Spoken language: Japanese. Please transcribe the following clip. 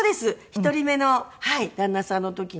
１人目の旦那さんの時に。